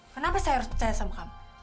kenapa saya harus percaya sama kamu